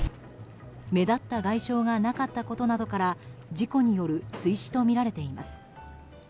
目立った外傷がなかったことなどから事故による水死とみられています。